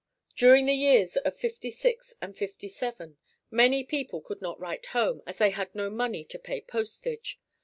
During the years of '56 and '57 many people could not write home as they had no money to pay postage.